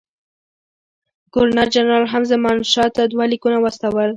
ګورنر جنرال هم زمانشاه ته دوه لیکونه واستول.